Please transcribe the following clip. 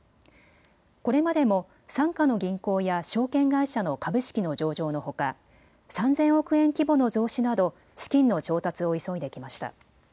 これまでも傘下の銀行や証券会社の株式の上場のほか３０００億円規模の増資など資金の調達を急いできました。